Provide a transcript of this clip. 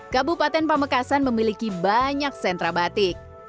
kabupaten pamekasan memiliki banyak sentra batik